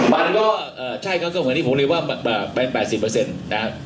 มันก็เอ่อใช่ครับคนนี้ผมเรียกว่าเป็นแปดสิบเปอร์เซ็นต์นะครับ